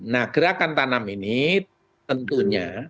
nah gerakan tanam ini tentunya